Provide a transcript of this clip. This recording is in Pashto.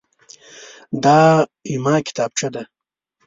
دا زما کتابچه ده.